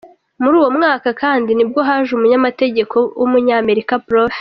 Muri uwo mwaka kandi nibwo haje Umunyamategeko w’Umunyamerika Prof.